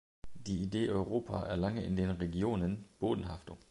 Die Idee Europa erlange in den Regionen Bodenhaftung.